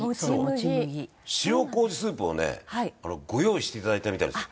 塩麹スープをねご用意して頂いたみたいです。